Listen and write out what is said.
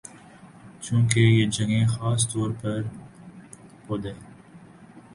چونکہ یہ جگہیں خاص طور پر پودے